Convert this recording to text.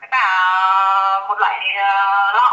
và một loại lọ